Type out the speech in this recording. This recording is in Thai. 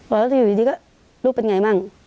แล้วรู้เป็นไงบ้าง